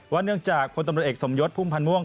เนื่องจากพลตำรวจเอกสมยศพุ่มพันธ์ม่วง